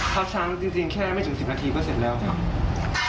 เพราะว่าพับชั้นจริงแค่ไม่ถึง๑๐นาทีก็เสร็จแล้วครับ